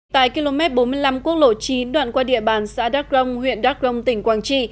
tại km bốn mươi năm quốc lộ chín đoạn qua địa bàn xã đắk rông huyện đắk rông tỉnh quảng trị